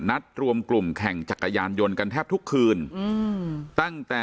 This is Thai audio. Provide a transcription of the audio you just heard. รวมกลุ่มแข่งจักรยานยนต์กันแทบทุกคืนอืมตั้งแต่